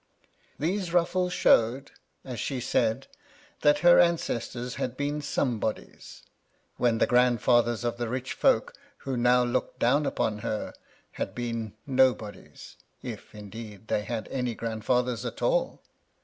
These ruffles showed, as she said, that her an cestors had been Somebodies, when the grandfathers of the rich folk, who now looked down upon her, had been Nobodies, — if, indeed, they had any grandfathers at all.